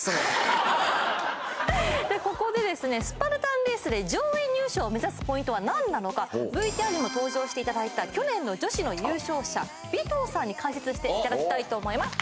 ここでですねスパルタンレースで上位入賞を目指すポイントは何なのかＶＴＲにも登場していただいた去年の女子の優勝者尾藤さんに解説していただきたいと思います